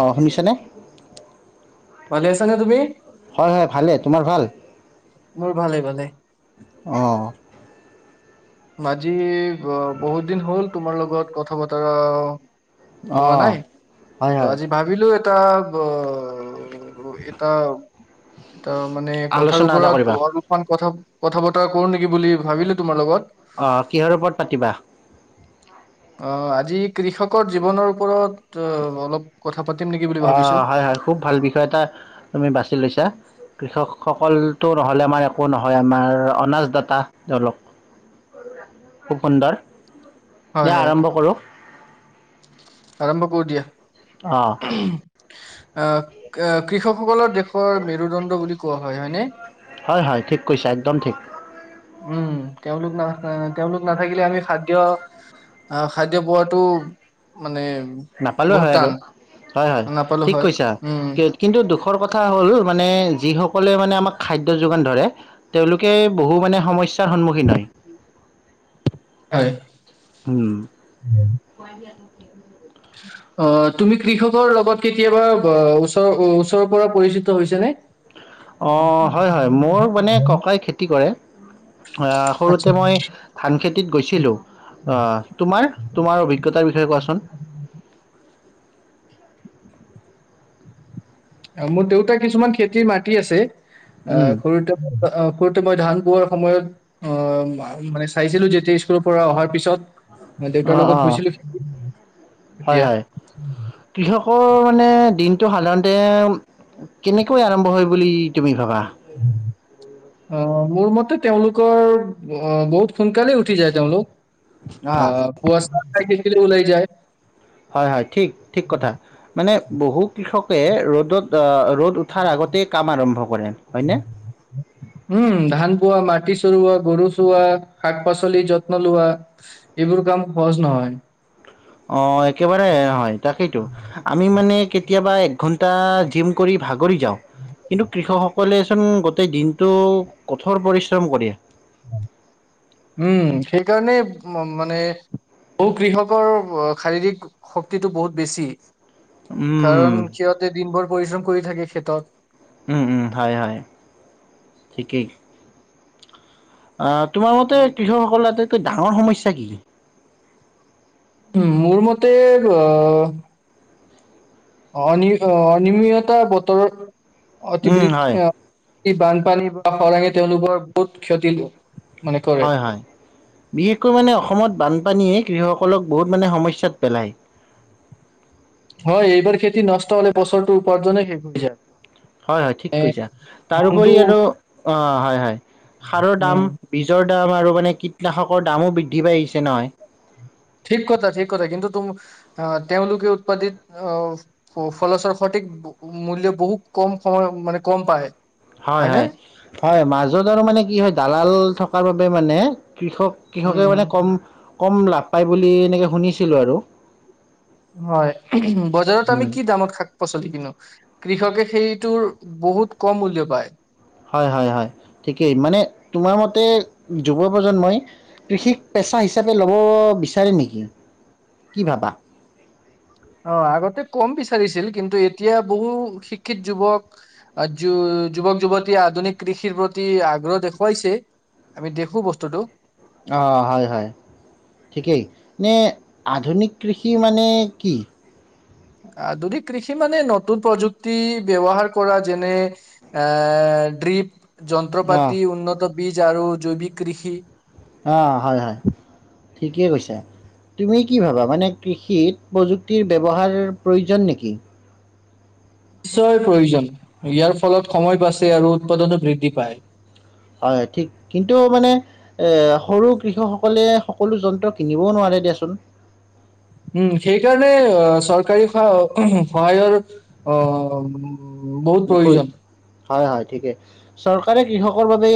অঁ শুনিছানে ভালে আছা না তুমি। হয় হয় ভালেই তোমাৰ ভাল মোৰ ভালে ভালে। অ। আজি বহুত দিন হ'ল তোমাৰ লগত কথা বতৰা হোৱা অ' নাই হয় তো হয়। আজি ভাবিলো কিত এটা ত মানে কথাৰ আলোচনা এটা কৰিবা, ওপৰত অলপমান কথা কথা বতৰা কৰো নেকি বুলি ভাবিলো তোমাৰ লগত। অ কিহৰ ওপৰত পাতিবা? অ আজি কৃষকৰ জীৱনৰ ওপৰত অ অলপ কথা পাতিম নেকি বুলি অ ভাবিছো। হয় হয় খুব ভাল বিষয় এটা তুমি বাছি লৈছা। কৃষকসকলটো নহ'লে আমাৰ একো নহয় আমাৰ অনাজ দাতা তেওঁ লোক খুব সুন্দৰ হয় দিয়া হয় আৰম্ভ কৰোঁ। আৰম্ভ কৰো দিয়া। অ' উ [inaudible] আহ কৃষকসকলৰ দেশৰ মেৰুদণ্ড বুলি কোৱা হয় হয়নে। হয় হয় ঠিক কৈছা একদম ঠিক। উম তেওঁলোক না তেওঁলোক নাথাকিলে আমি খাদ্য আহ খাদ্য পোৱাটো মানে। নাপালো বহুত হয় আৰু টান হয় হয় নাপালো ঠিক হয় কৈছা উম কিন্তু দুখৰ কথা হ'ল মানে যি সকল সলে মানে আমাক খাদ্য যোগান ধৰে তেওঁলোকে বহু মানে সমস্যা সন্মুখীন হয় হয়। উম অ তুমি কৃষকৰ লগত কেতিয়াবা ওচৰৰ ওচৰৰ পৰা পৰিচিত হৈছে নে? অ হয় হয় মোৰ মানে ককাই খেতি কৰে। আচ্ছা। সৰুতে মই ধান খেতিত গৈছিলোঁ তোমাৰ তোমাৰ অভিজ্ঞতাৰ বিষয়ে কোৱাচোন? মোৰ দেউতা কিছুমান খেতিৰ মাটি আছে। উম, আহ খৰি তে অ সোতে মই ধান পোৱাৰ সময়ত অ মানে চাইছিলো যেতিয়া স্কুলৰ পৰা অহাৰ পিছত দেউতাৰ অ লগত অ গৈছিলো খেতি। হয় তেতিয়া হয় কৃষকৰ মানে দ তটো সাধাৰণতে কেনেকৈ আৰম্ভ হয় বুলি তুমি ভাবা। অ মোৰ মতে তেওঁলোকৰ অ বহুত সোনকালেই উঠি যায় তেওঁলোক অ প ওলাই যায় হয় হয় ঠিক ঠিক কথা মানে বহু কৃষকে ৰ'দত ৰ'দ উঠাৰ আগতেই কাম আৰম্ভ কৰে হয়নে। উম ধান পোৱা মাটি চৰুোৱাগৰু, চোৱা শাক পাচলি, যত্ন লোৱা এইবোৰ কাম সহজ নহয়। অ এক একেবাৰে হয় তাকেইতো আমি মানে কেতিয়াবা একঘন্টা জিম কৰি ভাগৰি যাওঁ কিন্তু কৃষকসকলেচোন গোটেই দিনটো কঠোৰ পৰিশ্ৰম কৰে। উম সেইকাৰণে উ মানে বহু কৃষকৰ শাৰীৰিক শক্তিটো বহুত বেছি উম, কাৰণ সিহঁতে দিন ভৰ পৰিশ্ৰম কৰি থাকে খেতত হ হয় ঠিকেই অ তোমাৰ মতে কৃষকসকলৰ আটাইতকৈ ডাঙৰ সমস্যা ছাকি উ মোৰ মতে আহ অন অনমিততা বতৰৰ অতিব উম, হয়, স বানপানী বা খৰাঙে তেওঁলোকৰ বহুত ক্ষতি ল হয় হয় বিশেষকৈ মানে অসমত বানপানীয়ে কৃষসকলক বহুত মানে সমস্যাত পেলায় হয় এইবাৰ খেতি নষ্ট হলে বছৰটো উপাৰ্জনে শেষ হৈ যায় হয় হয় ঠিক কৈছা মনটো তাৰপৰি আৰু অ হয় হয় খাৰৰ উম দাম বীজৰ দাম আৰু মানে কীটনাশকৰ দামো বৃদ্ধি পাই আহিছে নহয়। ঠিক কথা ঠিক কথা কিন্তু আহ তেওঁলোকে উৎপাদিত আহ ফলচৰ সঠিক মূল্য বহুত কম সময় মানে কম পায়। হয় হয়নে? হয় হয় মাজত আৰু মানে কি হয় দালাল থকাৰ বাবে মানে কৃষক -কৃষকে উম। মানে কম -কম লাভ পায় বুলি এনেকে শুনিছে ছিলোঁ আৰু হয় বজাৰত আমি কি দামত শাক পাচলি কিনো কৃষকে সেই বহুত কম মূল্য পায়। হয়- হয় - হয় ঠিকেই মানে তোমাৰ মতে যুৱপজন্মই কৃষিক পেচা হিচাপে ল'ব বিচাৰে নেকি কি ভাবা? অ ', আগতে কম বিচাৰিছিল কিন্তু এতিয়া বহু শিক্ষিত যুৱক য যুৱক যুৱতীয়ে আধুনিক কৃষিৰ প্ৰতি আগ্ৰহ দেখুৱাইছে আমি দেখো বস্তুটো। অঁ', হয় -হয় ঠিকেই নে আধুনিক কৃষি মানে কি? আধুনিক কৃষি মানে নতুন প্ৰযুক্তি ব্যৱহাৰ কৰা যেনে ড্ৰিপ অঁ যন্ত্ৰপাতি উন্নত বীজ আৰু জৈৱিক কৃষি অঁ', হয় - হয় ঠিকেইে কৈছা। তুমি কি ভাবা মানে কৃষিত প্ৰযুক্তিৰ ব্যৱহাৰৰ প্ৰয়োজন নেকি? নিশ্চয় প্ৰয়োজন ইয়াৰ ফলত সময় বাচে আৰু উৎপাদনো বৃদ্ধি পায়। হয়', ঠিক কিন্তু মানে সৰু কৃষকসকলে সকলো যন্ত্ৰ কিনিবও নোৱাৰে দিয়াচোন। উম', সেইকাৰণে চৰকাৰী স', সহায়ৰ অ', উ', বহুত নপৰি প্ৰয়োজন। হয়- হয় ঠিকে চৰকাৰে কৃষকৰ বাবে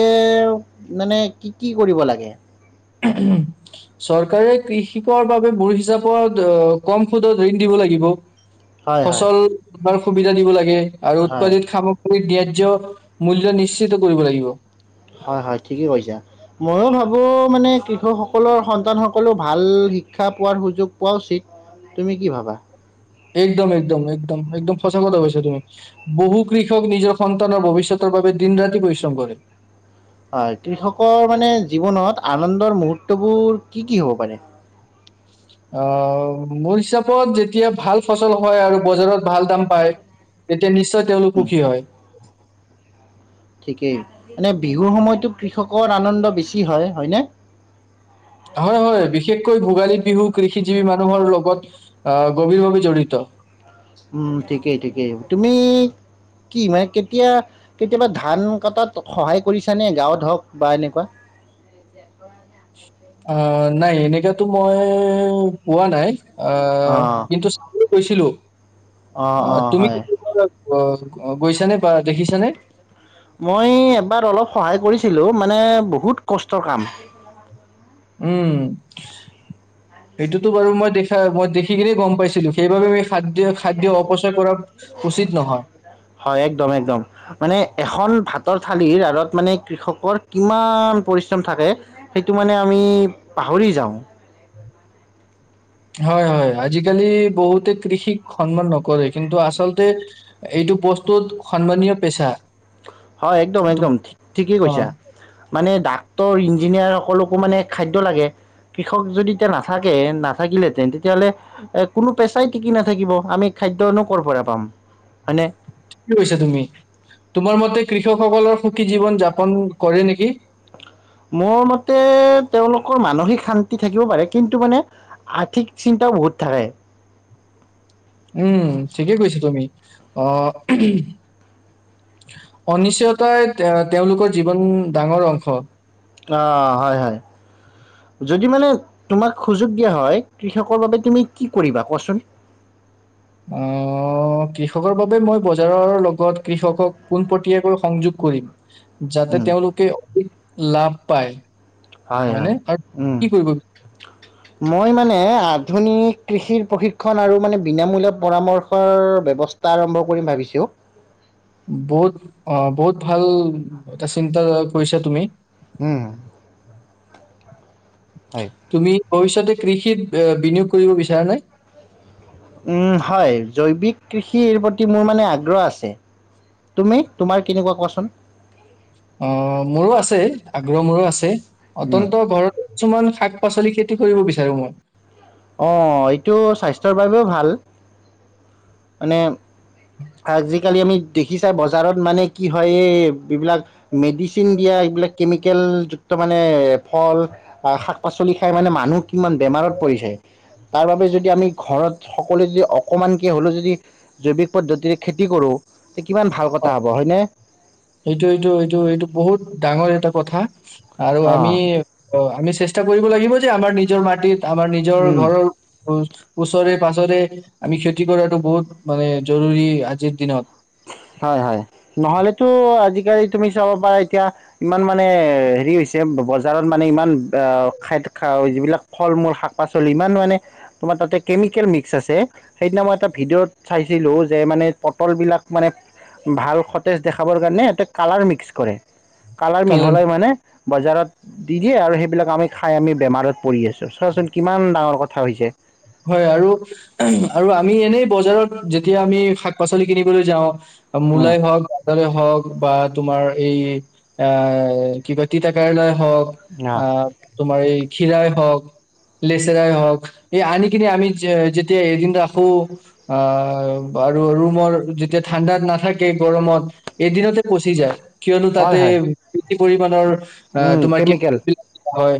মানে কি- কি কৰিব লাগে? উহ', - উহ', চৰকাৰে কৃষিক বাবে মোৰ হিচাপত আহ', কম সুদত ঋণ দিব লাগিব। হয়, হয়, ফচল আমাৰ সুবিধা দিব লাগে। আৰু হয়, উৎপাদিত সামগ্ৰী মূল্য নিশ্চিত কৰিব লাগিব। হয় -হয় ঠিকেই কৈছা ময়ো ভাবোঁ মানে কৃষকসকলৰ সন্তানসকলেও ভাল শিক্ষা পোৱাৰ সুযোগ পোৱা উচিত। তুমি কি ভাবা? একদম - একদম - একদম- একদম সঁচা কথা কৈছা তুমি বহু কৃষক নিজৰ সন্তানৰ ভৱিষ্যতৰ বাবে দিন ৰাতি পৰিশ্ৰম কৰে। হয়', কৃষকৰ মানে জীৱনত আনন্দৰ মুহূৰ্তবোৰ কি - কি হ'ব পাৰে? আহ', মোৰ হিচাপত যেতিয়া ভাল ফচল হয় আৰু বজাৰত ভাল দাম পায় তেতিয়া নিশ্চয় তেওঁলোক সুখী হয়। কি ', মানে বিহুৰ সময়তো কৃষকৰ আনন্দ বেছি হয়', -হয়নে হয়- হয় বিশেষ বিশেষকৈ ভোগালী বিহু কৃষিজীৱী মানুহৰ লগত আহ', গভীৰভাৱে জড়িত। উম', ঠিকেই -ঠিকেই তুমি কি মানে কেতিয়া কেতিয়াবা ধান কটাত সহায় কৰিছানে গাঁৱত হওক বা এনেকুৱা অ ', নাই এনেকাতো মই পোৱা নাই। অ অ', ', কিন্তু কৈছিলো। অ ', তুমি কেতিয়াব ব অ', গৈছে নে? মই মই অলপ খহায় কৰিছিলোঁ মানে বহুত কষ্টৰ কাম। উম সেইটোতো বাৰু মই দেখা মই দেখি কিনে গম পাইছিলো সেইবাবে মই। উচিত নহয় হয় একদম একদম মানে এখন ভাত। ততৰ থালিৰ আঁৰত মানে কৃষকৰ কিমান পৰিশ্ৰম থাকে সেইটো মানে আমি পাহৰি যাওঁ। হয় হয় আজিকালি বহুতে কৃষিক সন্মান নকৰে কিন্তু আচলতে এইটো বস্তুত সন্মানীয় পেচা। হয় একদম একদম ঠিকেই কৈছা মানে। ডাক্তৰ ইঞ্জিনিয়াৰ সকলকো মানে খাদ্য লাগে কৃষক যদি এতিয়া নাথাকে নাথাকিলেহেতেন তেতিয়াহ'লে কোনো পেচাই টিকি নাথাকিব আমি খাদ্যয়নো কৰ' পৰা পাম হয়নে। কৈছা তুমি তোমাৰ মতে কৃষকসকলৰ সুখী জীৱন যাপন কৰে নেকি? মোৰ মতে তেওঁলোকৰ মানসিক শান্তি থাকিব পাৰে কিন্তু মানে আৰ্থিক চিন্তাও বহুত থাকে। উম ঠিকেই কৈছা তুমি। আহ অনিশ্চয়তাই এ তেওঁলোকৰ জীৱন ডাঙৰ অংশ। অ হয় হয় যদি মানে তোমাক সুযোগ দিয়া হয় কৃষকৰ বাবে তুমি কি কৰিবা কোৱাচোন। আহ কৃষকৰ বাবে মই বজাৰৰ লগত কৃষকক পোনপটীয়াকৈ সংযোগ কৰিম। যাতে উম, তেওঁলোকে অধিক লাভ। পায়। হয় হয়। ন আৰু উম, কি কৰিব বি। মই মানে আধুনিক কৃষিৰ প্ৰশিক্ষণ আৰু মানে বিনামূলীয়া পৰামৰ্শৰ ব্যৱস্থা আৰম্ভ কৰিম ভাবিছোঁ। বহুত অ বহুত ভাল এটা চিন্তা কৈছা তুমি। হম। তুমি ভৱিষয়তে কৃষিত। এ বিনিয়োগ কৰিব বিচাৰে নাই। হয় জৈৱিক কৃষিৰ প্ৰতি মোৰ মানে আগ্ৰহ আছে তুমি তোমাৰ কেনেকুৱা কোৱাচোন। অ' মোৰো আছে আগ্ৰহ মোৰো আছে। উম, অতন্ত ঘৰত কিছুমান শাক পাচলি খে। কৰিব বিচাৰো মই। অ' এইটো স্বাস্থ্যৰ বাবেও ভাল। মানে আজিকালি আমি দেখিছাই বজাৰত মানে কি হয় এই যিবিলাক মেডিচিন দিয়া এইবিলাক কেমিকেলযুক্ত মানে ফল শাক পাচলি খাই মানে মানুহ কিমান বেমাৰত পৰিছে তাৰবাবে যদি আমি ঘৰত সকলোৱে যদি অকণমানকৈ হ'লেও যদি। জৈৱিক পদ্ধতিৰে খেতি কৰোঁ‌। এ কিমান ভাল কথা হ'ব হয়নে। সেইটো এইটো এইটো এইটো বহুত ডাঙৰ এটা কথা। আৰু আমি অ' অ' আমি চেষ্টা কৰিব লাগিব। আৰু নিজৰ মাটিৰ আমাৰ নিজৰ উম। ঘৰৰ ওচৰে। পাছৰে আমি খেতি কৰাতটো বহুত মানে জৰুৰী আজিৰ দিনত হয় হয় নহ'লেতো আজিকালি তুমি চাব পাৰা। এতিয়া ইমান মানে হেৰি হৈছে বজাৰত মানে ইমান খ যিবিলাক ফল মূল শাক পাচলি ইমান মানে তোমাৰ তাতে কেমিকেল মিক্স আছে সেইদিনা মই এটা ভিডিঅ'ত চাইছিলোঁ যে মানে পটলবিলাক। মানে ভাল সতেজ দেখাবৰ কাৰণে এটা কালাৰ মিক্স কৰে। কালাৰ কাৰণ মিহলাই মানে। বজাৰত দি দিয়ে আৰু সেইবিলাক আমি খাই আমি বেমাৰত পৰি আছোঁ। চোৱাচোন কিমান ডাঙৰ কথা। কথা হৈছে। হয়, আৰু-আৰু আমি এনেই বজাৰত যেতিয়া আমি শাক পাচলি কিনিবলৈ যাওঁ। উম, মূলাই হওক হওক বা তোমাৰ এই এ কি কয় তিতাকেৰেলা, হওক আহ তোমাৰ এই ক্ষীৰাই হওঁ‌ক লেচেৰাই হওক, এই আন কিনে আমি যেতিয়া এদিন ৰাখো আহ, আৰু ৰুমৰ যেতিয়া ঠাণ্ডাত নাথাকে। গৰমত এদিনতে পচি যায়। কিয়নো হয় তাতে হয় পৰিমাণৰ আহ উম তোমাৰাক কেমিকেল হয়,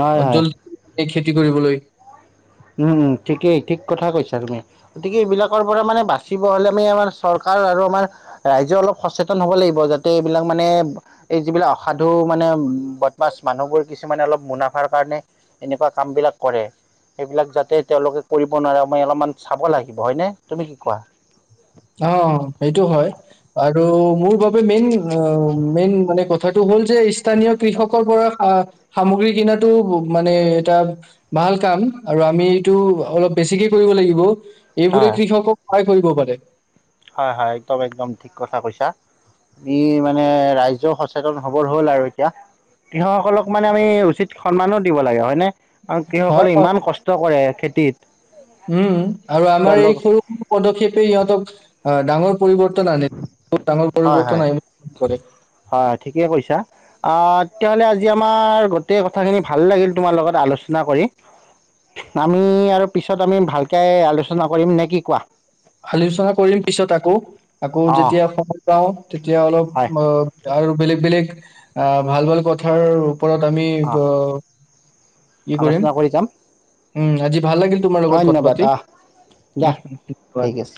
হয় হয় জদি কি কৰিবলৈ উম, ঠিকেই ঠিক কথা কৈছা তুমি গতিকে এইবিলাকৰ পৰা মানে বাচিব হলে, আমি আমাৰ চৰকাৰ আৰু আমাৰ ৰাইজে অলপ সচেতন হব লাগিব, যাতে এইবিলাক মানে এই যিবিলাক অসাধু মানে বদমাছ মানুহবোৰ কিছুমানে অলপ মুনাফাৰ কাৰণে এনেকুৱা কাম বিলাক কৰে। সেইবিলাক যাতে তেওঁলোকে কৰিব নোৱাৰে মই অলপমান চাব লাগিব হয়নে? তুমি কি কোৱা? অ' সেইটো হয় আৰু মোৰ বাবে মেইন মেইন মানে ক- কথাটো হল, যে স্থানীয় কৃষকৰ পৰা সামগ্ৰী কিনাতো মানে এটা ভাল কাম আৰু আমি এইটো অলপ বেছিকে কৰিব লাগিব। এইবোৰৰে কৃষক সহায় কৰিব পাৰে। হয-হয়, একদম একদম ঠিক কথা কৈছা। ই মানে ৰাইজও সচেতন হবৰ হ'ল আৰু এতিয়া কৃষকসকলক মানে আমি উচিত সন্মানো দিব লাগে হয়নে। আৰু হয় কৃষকসকলে হয় ইমান কষ্ট কৰে। খেতিত উম, আৰু আমাৰ এই তেওঁলোক সৰু-সৰু পদক্ষেপে, সিহঁতক অ' ডাঙৰ পৰিৱৰ্তন আনে। ত ডাঙৰ হয় হয় পৰিৱৰ্তন আহিব, ম হয় ঠিকে কৈছা। আহ, তেতিয়াহলে আজি আমাৰ গোটেই কথাখিনি ভাল লাগিল, তোমাৰ লগত আলোচনা কৰি আমি আৰু পিছত আমি ভালকে আলোচনা কৰিম নে কি কোৱা। আলোচনা কৰিম, পিছত আকৌ আকৌ অ যেতিয়া সময় পাওঁ তেতিয়া অলপ হয় আৰু বেলেগ-বেলেগ, অ' ভাল-ভাল কথা ওপৰত আমি অ কি কৰিম আলোচনা কৰি যাম উম, আজি ভাল লাগিল তোমাৰ লগত কথা ধন্যবাদ পাতি আহ দিয়া উ, ঠিক ধন্যবাদ। আছে।